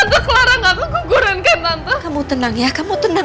iya clara clara kamu tenang